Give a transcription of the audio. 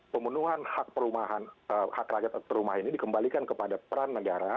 pemenuhan hak perumahan hak rakyat rumah ini dikembalikan kepada peran negara